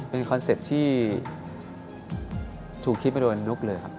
เป็นคอนเซ็ปต์ที่ถูกคิดไปโดนนุ๊กเลยครับ